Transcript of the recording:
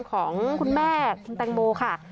ของคุณแม่คุณแตงโมค่ะ